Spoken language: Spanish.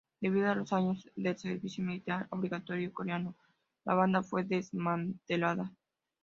Debido a los años del servicio militar obligatorio coreano, la banda fue desmantelada.